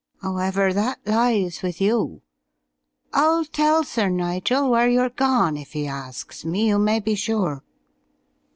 'Owever, that lies with you. I'll tell Sir Nigel where you're gone if 'e asks me, you may be sure!"